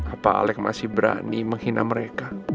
apa alex masih berani menghina mereka